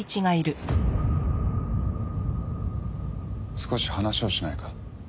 少し話をしないか？